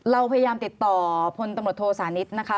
เราพยายามติดต่อพลตำรวจโทสานิทนะคะ